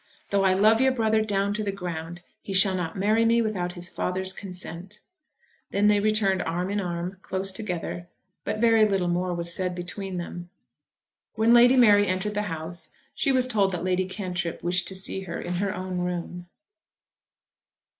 Though I love your brother down to the ground he shall not marry me without his father's consent." Then they returned arm in arm close together; but very little more was said between them. When Lady Mary entered the house she was told that Lady Cantrip wished to see her in her own room.